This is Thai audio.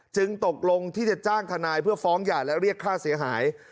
ตกลงที่จะจ้างทนายเพื่อฟ้องหย่าและเรียกค่าเสียหาย